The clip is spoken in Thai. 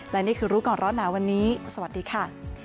และนี่คือรู้ก่อนร้อนหนาวันนี้สวัสดีค่ะ